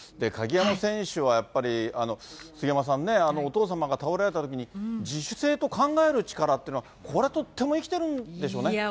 鍵山選手はやっぱり、杉山さんね、お父様が倒れられたときに、自主性と考える力っていうのは、これ、とっても生きてるんでしょうね。